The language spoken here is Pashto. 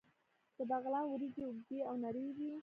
د بغلان وریجې اوږدې او نرۍ وي.